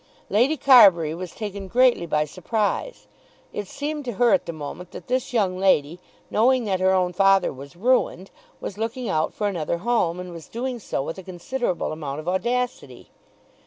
Lady Carbury was taken greatly by surprise. It seemed to her at the moment that this young lady, knowing that her own father was ruined, was looking out for another home, and was doing so with a considerable amount of audacity.